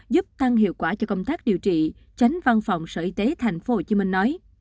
giúp tăng hiệu quả cho công tác điều trị tránh văn phòng sở y tế tp hcm nói